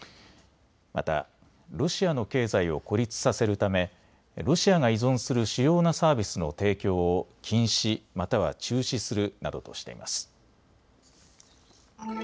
またロシアの経済を孤立させるためロシアが依存する主要なサービスの提供を禁止、または中止するなどとしています。